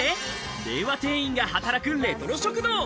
令和店員が働くレトロ食堂。